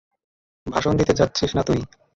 ভাষণ দিতে যাচ্ছিস না তুই।